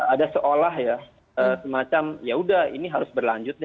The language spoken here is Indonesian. ada seolah semacam ya sudah ini harus berlanjut